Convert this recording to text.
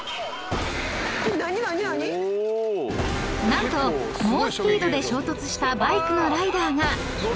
［何と猛スピードで衝突したバイクのライダーが］